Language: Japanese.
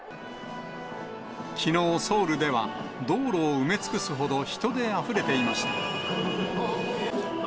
きのうソウルでは、道路を埋め尽くすほど、人であふれていました。